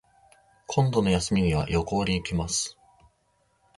今度の休みには旅行に行きます